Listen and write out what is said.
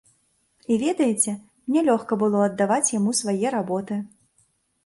І, ведаеце, мне лёгка было аддаваць яму свае работы.